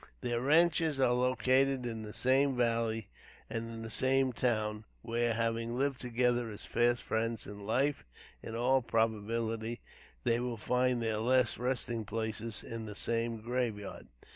Their ranches are located in the same valley, and in the same town; where, having lived together as fast friends in life, in all probability they will find their last resting places in the same graveyard.